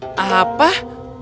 kucing yang menggambar kucing